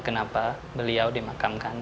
kenapa beliau dimakamkan